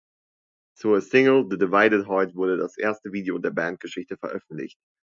Zur Single "The Divided Heart" wurde das erste Video der Bandgeschichte veröffentlicht.